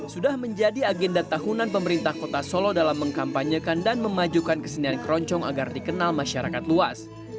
sudah menjadi agenda tahunan pemerintah kota solo dalam mengkampanyekan dan memajukan kesenian keroncong agar dikenal masyarakat luas